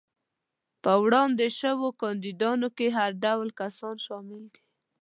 په وړاندې شوو کاندیدانو کې هر ډول کسان شامل دي.